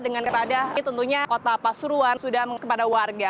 dengan keadaan ini tentunya kota pasuruan sudah menghentikan kepada warga